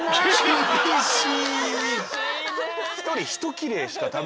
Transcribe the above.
厳しいね。